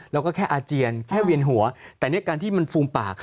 แล้วก็แค่อาเจียนแค่เวียนหัวแต่การที่มันฟูมปาก